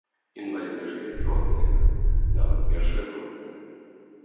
Інваліды ж ёсць розныя, нават першай групы.